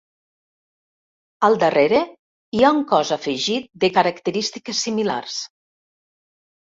Al darrere hi ha un cos afegit de característiques similars.